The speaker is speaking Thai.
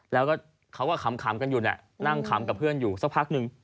แล้วก็เขาก็ขำกันอยู่เนี่ยนั่งขำกับเพื่อนอยู่สักพักนึง